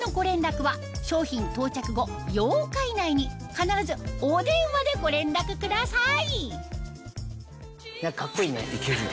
必ずお電話でご連絡ください